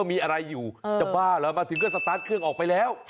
มีอะไรอยู่จะบ้าเหรอมาถึงก็สตาร์ทเครื่องออกไปแล้ว